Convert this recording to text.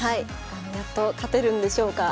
やっと勝てるんでしょうか。